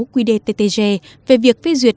quy đề ttg về việc phê duyệt